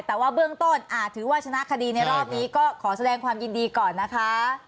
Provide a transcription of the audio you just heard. แต่ว่าเบื้องต้นอาจถือว่าชนะคดีในรอบนี้ก็ขอแสดงความยินดีก่อนนะคะ